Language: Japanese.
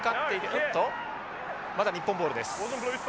んっとまだ日本ボールです。